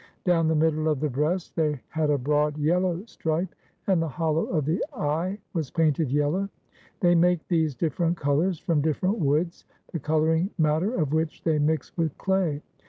Down the middle of the breast they had a broad yellow stripe, and the hollow of the eye was painted yellow. They make these difi'erent colors from different woods, the coloring matter of which they mix with clay.